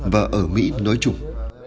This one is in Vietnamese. và ở mỹ nói chung